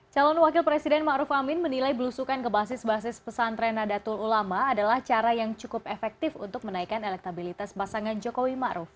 calon wakil presiden ma'ruf amin menilai belusukan kebasis basis pesantrenadatul ulama adalah cara yang cukup efektif untuk menaikkan elektabilitas pasangan jokowi ma'ruf